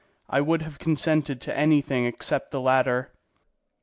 I would have consented to anything except the latter.